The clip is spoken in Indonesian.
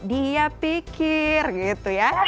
dia pikir gitu ya